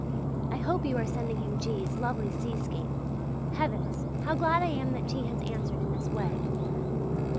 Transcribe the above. I hope you are sending him G's lovely seascape. Heavens! how glad I am that T. has answered in this way!